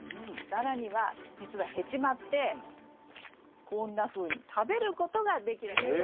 更にはじつはヘチマってこんなふうに食べることができるんです。え！